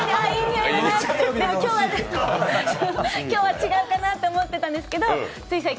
今日は違ったなと思ってたんですけどつい